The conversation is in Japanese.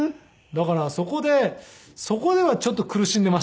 だからそこでそこではちょっと苦しんでいましたね。